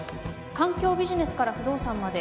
環境ビジネスから不動産まで